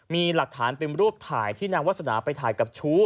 มีหลักฐานเป็นรูปถ่ายที่นางวาสนาไปถ่ายกับชู้